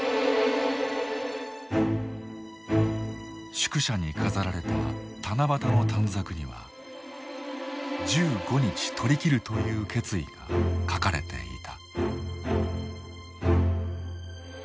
宿舎に飾られた七夕の短冊には「十五日取りきる」という決意が書かれていた。